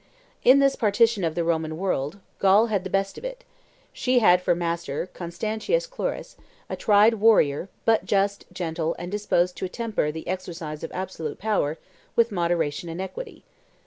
In this partition of the Roman world, Gaul had the best of it: she had for master, Constantius Chlorus, a tried warrior, but just, gentle, and disposed to temper the exercise of absolute power with moderation and equity.